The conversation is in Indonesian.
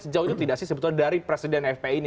sejauh itu tidak sih sebetulnya dari presiden fpi ini